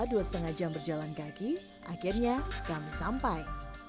kita dilarang menyentuh atau bahkan mencari cari